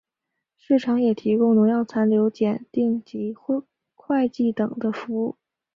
市场也提供农药残留检定及会计等的服务。